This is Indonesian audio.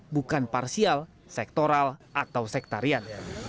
bukan parsial sektoral atau sektarian